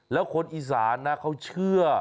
แล้วคนอีสานนะเขาเชื่อ